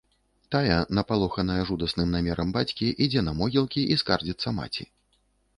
Тая, напалоханая жудасным намерам бацькі, ідзе на могілкі і скардзіцца маці.